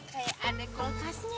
kayak ada kulkasnya